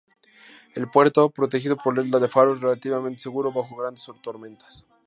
El puerto, protegido por la isla de Faro, es relativamente segura bajo grandes tormentas.